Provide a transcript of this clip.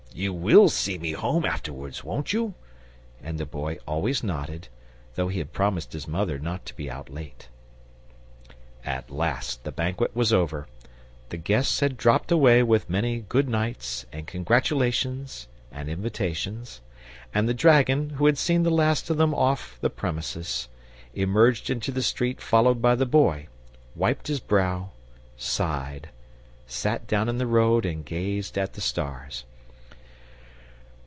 you WILL see me home afterwards, won't you?" And the Boy always nodded, though he had promised his mother not to be out late. At last the banquet was over, the guests had dropped away with many good nights and congratulations and invitations, and the dragon, who had seen the last of them off the premises, emerged into the street followed by the Boy, wiped his brow, sighed, sat down in the road and gazed at the stars.